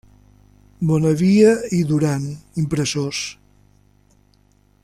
Bonavia i Duran, impressors.